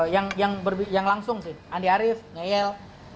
yang berbisnis yang langsung sih andi arief ngeyel